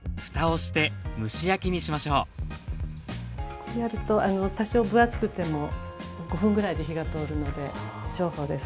こうやると多少分厚くても５分ぐらいで火が通るので重宝です。